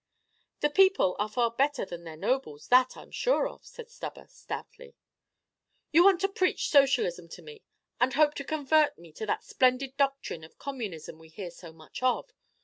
"The people are far better than their nobles, that I 'm sure of," said Stubber, stoutly. "You want to preach socialism to me, and hope to convert me to that splendid doctrine of communism we hear so much of.